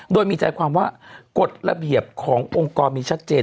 โดยมีใจความว่ากฎระเบียบขององค์กรมีชัดเจน